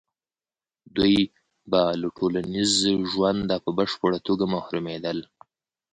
دوی به له ټولنیز ژونده په بشپړه توګه محرومېدل.